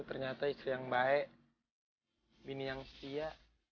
lu ternyata istri yang baik bini yang setia